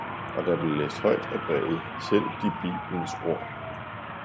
Og der blev læst højt af brevet selv de Biblens ord.